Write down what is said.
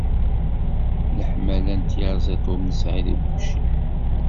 Leḥmala n tyaziḍt ur nesɛi tibbucin.